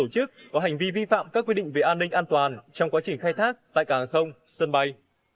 có hành vi vi phạm các quy định về an ninh an toàn trong quá trình khai thác tại cảng hàng không sân bay